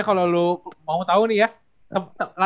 kalau lu mau tahu nih ya